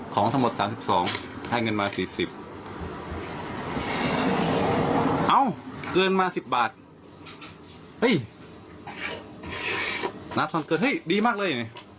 ของทั้งหมด๓๒ให้เงินมา๔๐เอ้าเกินมา๑๐บาทเฮ้ยน้าส่วนเกิดเฮ้ยดีมากเลย